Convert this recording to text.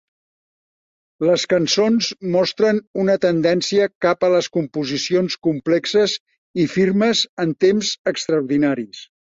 Les cançons mostren una tendència cap a les composicions complexes i firmes en temps extraordinaris.